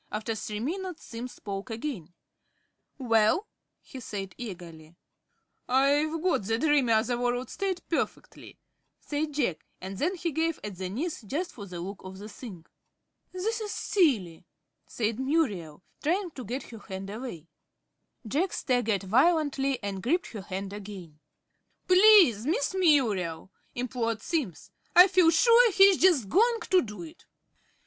After three minutes Simms spoke again. "Well?" he said, eagerly. "I've got the dreamy, other world state perfectly," said Jack, and then he gave at the knees, just for the look of the thing. "This is silly," said Muriel, trying to get her hand away. Jack staggered violently, and gripped her hand again. "Please, Miss Muriel," implored Simms. "I feel sure he is just going to do it."